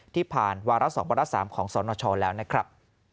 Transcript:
ที่ผ่านวารสด๓ของศรชลแล้วนะครับ